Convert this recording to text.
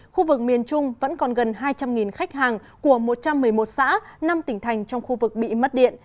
khu vực miền trung vẫn còn gần hai trăm linh khách hàng của một trăm một mươi một xã năm tỉnh thành trong khu vực bị mất điện